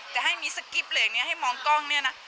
แต่ให้มีสกิปเหล็กนี้ให้มองกล้องเนี่ยนะ